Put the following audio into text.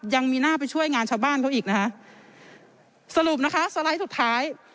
ยังมีหน้าไปช่วยงานชาวบ้านเขาอีกนะคะสรุปนะคะสไลด์สุดท้าย